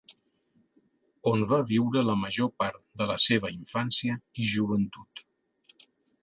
On va viure la major part de la seva infància i joventut.